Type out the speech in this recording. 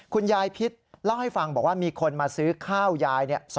คุณยายพิษเล่าให้ฟังบอกว่ามีคนมาซื้อข้าวยาย